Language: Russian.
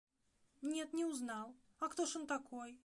– Нет, не узнал; а кто ж он такой?